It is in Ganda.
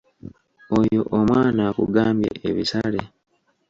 Oyo omwana akugambye ebisale.